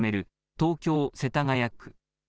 東京世田谷区。